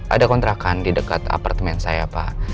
ada kontrakan di dekat apartemen saya pak